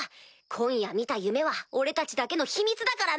今夜見た夢は俺たちだけの秘密だからな！